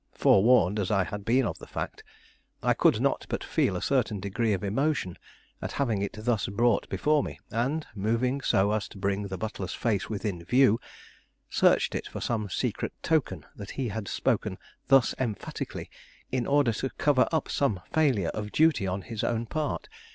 Forewarned as I had been of the fact, I could not but feel a certain degree of emotion at having it thus brought before me; and, moving so as to bring the butler's face within view, searched it for some secret token that he had spoken thus emphatically in order to cover up some failure of duty on his own part.